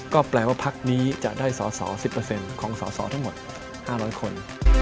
ก็แปลว่าพรรคการเมืองจะได้สส๑๐ของสสทั้งหมด๕๐๐คน